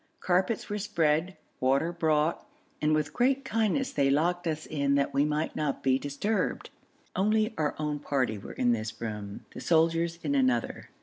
Carpets were spread, water brought, and with great kindness they locked us in that we might not be disturbed. Only our own party were in this room, the soldiers in another.